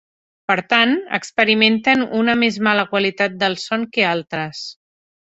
Per tant, experimenten una més mala qualitat del son que altres.